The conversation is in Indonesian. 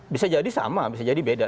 bisa jadi sama bisa jadi beda